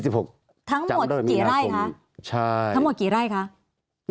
ทั้งหมดกี่ไร่คะใช่ทั้งหมดกี่ไร่คะ